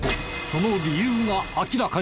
その理由が明らかに！